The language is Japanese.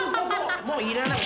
もういらない。